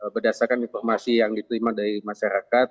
berdasarkan informasi yang diterima dari masyarakat